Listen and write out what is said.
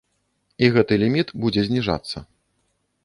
І гэты ліміт будзе зніжацца.